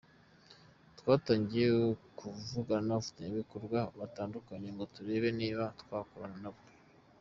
Twatangiye kuvugana n’abafatanyabikorwa batandukanye ngo turebe niba twakorana na bo.